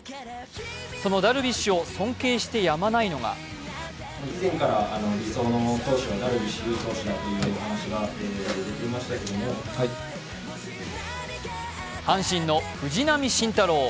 そのダルビッシュを尊敬してやまないのが阪神の藤浪晋太郎。